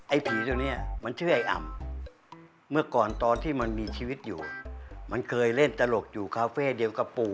ผีตัวนี้มันชื่อไอ้อำเมื่อก่อนตอนที่มันมีชีวิตอยู่มันเคยเล่นตลกอยู่คาเฟ่เดียวกับปู่